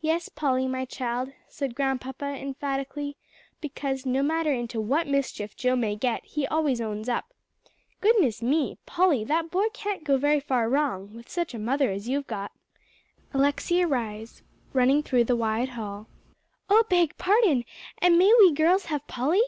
"Yes, Polly, my child," said Grandpapa emphatically, "because, no matter into what mischief Joe may get, he always owns up. Goodness me! Polly, that boy can't go very far wrong, with such a mother as you've got." Alexia Rhys, running through the wide hall, came upon the two. "Oh, beg pardon, and may we girls have Polly?"